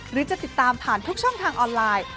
หรือจะติดตามผ่านทุกช่องทางออนไลน์